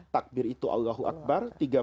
takbir itu allahuakbar